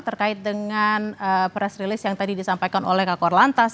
terkait dengan press release yang tadi disampaikan oleh kakor lantas